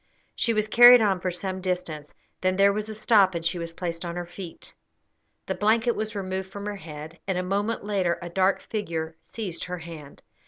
She was carried on for some distance. Then there was a stop, and she was placed on her feet; the blanket was removed from her head, and a moment later a dark figure seized her hand.